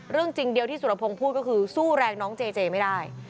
เรื่องจริงเดียวที่สุรพงศ์พูดก็คือสู้แรงน้องเจเจไม่ได้